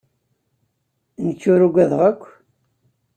Nekk ur ugadeɣ akk.